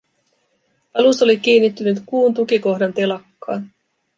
Alus oli kiinnittynyt kuun tukikohdan telakkaan.